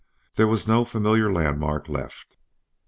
There was no familiar landmark left.